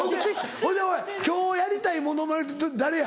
ほいでおい今日やりたいモノマネ誰や？